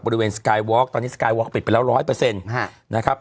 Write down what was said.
บริเวณสกายวอร์กตอนนี้สกายวอร์กปิดไปแล้ว๑๐๐นะครับ